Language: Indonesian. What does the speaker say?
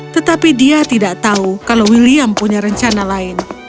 tetapi dia tidak tahu kalau william punya rencana lain